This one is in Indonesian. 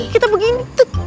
kita begini dot